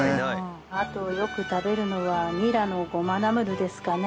あとよく食べるのはニラのごまナムルですかね。